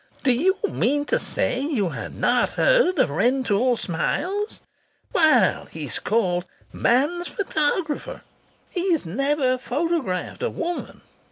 "Do you mean to say you've not heard of Rentoul Smiles?... Well, he's called 'Man's photographer.' He has never photographed a woman!